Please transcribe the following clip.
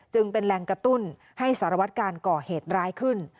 จึงเป็นแรงกระตุ้นให้สารวัตการก่อเหตุร้ายขึ้น